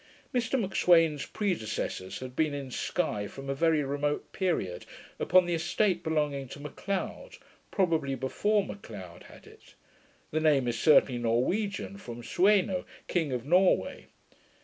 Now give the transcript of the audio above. Mr M'Sweyn's predecessors had been in Sky from a very remote period, upon the estate belonging to M'Leod; probably before M'Leod had it. The name is certainly Norwegian, from Sueno, King of Norway.